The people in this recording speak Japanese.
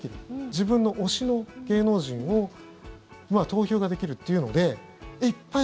自分の推しの芸能人をまあ、投票ができるというのでいっぱい